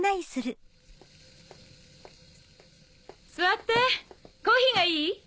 座ってコーヒーがいい？